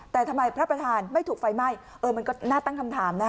แต่ทำไมพระประธานไม่ถูกไฟไหม้เออมันก็น่าตั้งคำถามนะฮะ